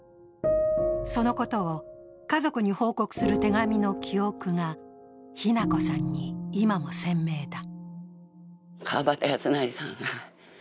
そのことを家族に報告する手紙の記憶が日奈子さんに今も鮮明だ。